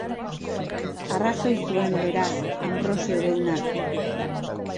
Arrazoi zuen, beraz, Anbrosio deunak.